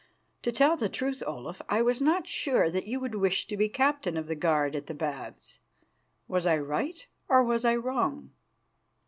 To tell the truth, Olaf, I was not sure that you would wish to be captain of the guard at the Baths. Was I right or was I wrong?"